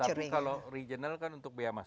ya tetapi kalau regional kan untuk biaya masuk